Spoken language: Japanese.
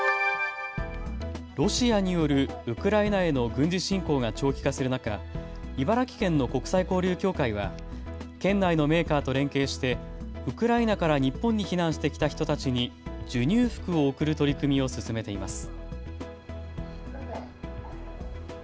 ロシアによるウクライナへの軍事侵攻が長期化する中、茨城県の国際交流協会は県内のメーカーと連携してウクライナから日本に避難してきた人たちに授乳服を送る取り組みを進めています。